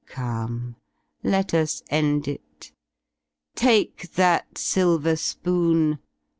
Come, let us end it! Take that silver spoon.